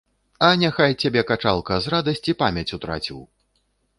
А няхай цябе качалка, з радасці памяць утраціў.